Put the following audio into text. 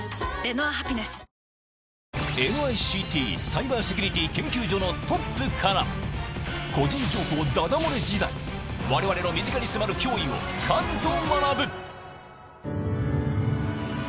サイバーセキュリティ研究所のトップから、個人情報だだ漏れ時代、われわれの身近に迫る脅威をカズと学ぶ。